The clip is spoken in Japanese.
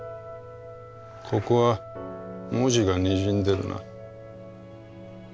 ここは文字がにじんでるな。